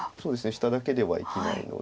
下だけでは生きないので。